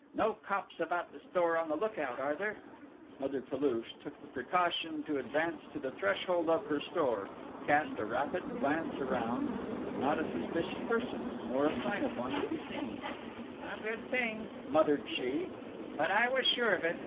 No cops about the store on the lookout, are there?" Mother Toulouche took the precaution to advance to the threshold of her store, cast a rapid glance around not a suspicious person, nor a sign of one to be seen: "A good thing," muttered she, "but I was sure of it!